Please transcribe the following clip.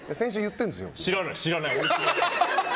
知らない、知らない。